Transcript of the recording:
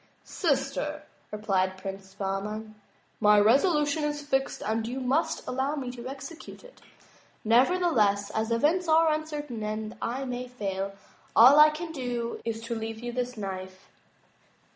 "Sister," replied Prince Bahman, "my resolution is fixed and you must allow me to excute it. Neverless, as events are uncertain and I may fail, all I can do is to leave you this knife."